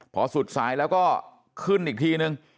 พอสุดสายแล้วก็ขึ้นอีกทีนึง